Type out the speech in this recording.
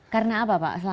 karena apa pak